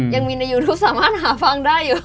ยังมีในยูทูสามารถหาฟังได้อยู่